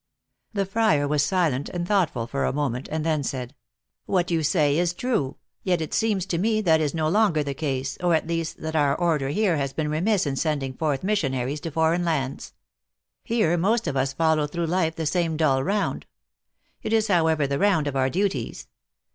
"The friar was silent and thoughtful for a moment, and then said :" What you say is true ; yet it seems to me, that is no longer the case, or, at least, that our order here has been remiss in sending forth missiona ries to foreign lands. Here most of us follow through life the same dull round. It is, however, the round of our duties.